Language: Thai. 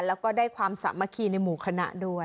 แล้วก็ได้ความสามัคคีในหมู่คณะด้วย